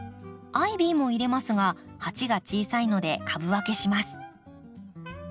アイビーも入れますが鉢が小さいので株分けします。